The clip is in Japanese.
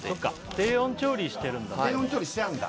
低温調理してあんだ？